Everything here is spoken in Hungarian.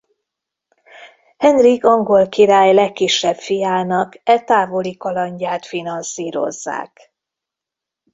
Henrik angol király legkisebb fiának e távoli kalandját finanszírozzák.